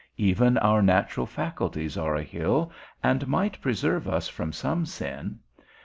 Even our natural faculties are a hill, and might preserve us from some sin.